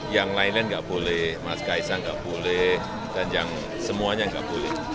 yang lainnya enggak boleh mas kaisang enggak boleh dan yang semuanya enggak boleh